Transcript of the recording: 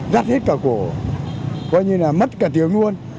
dắt hết cả cổ coi như là mất cả tiếng luôn